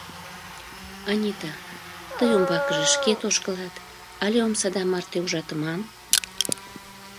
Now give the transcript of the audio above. — Анита, тый умбакыже шкет ошкылат але омсада марте ужатыман?